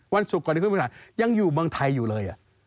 วันศุกร์ก่อนที่ต้องไปขึ้นศาลยังอยู่เมืองไทยอยู่เลย